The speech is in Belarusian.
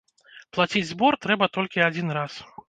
Плаціць збор трэба толькі адзін раз.